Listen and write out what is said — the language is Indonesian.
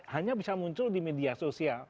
hanya bisa muncul di media sosial